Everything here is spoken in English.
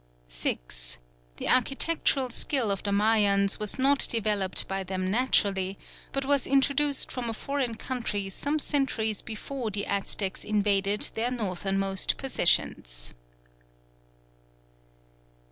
6. The architectural skill of the Mayans was not developed by them naturally, but was introduced from a foreign country some centuries before the Aztecs invaded their northernmost possessions.